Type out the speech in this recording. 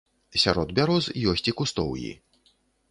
Сярод бяроз ёсць і кустоўі.